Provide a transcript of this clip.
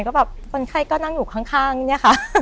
ก็แบบคนไข้ก็นั่งอยู่ข้างเนี่ยค่ะ